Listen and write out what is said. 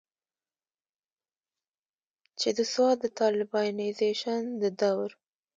چې د سوات د طالبانائزيشن د دور